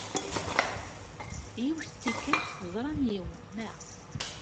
Yiwet n tikkelt, teẓram yiwen, naɣ?